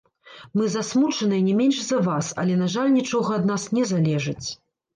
Мы засмучаныя не менш за вас, але на жаль нічога ад нас не залежыць.